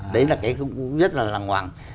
đấy là cái rất là làng hoàng